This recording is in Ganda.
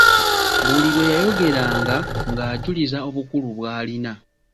Buli lwe yayogeranga ng'ajuliza obukulu bw'alina.